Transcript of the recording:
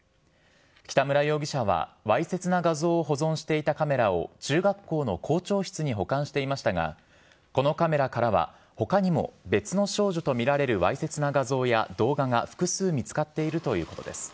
北村容疑者は、わいせつな画像を保存していたカメラを中学校の校長室に保管していましたが、このカメラからはほかにも別の少女と見られるわいせつな画像や動画が複数見つかっているということです。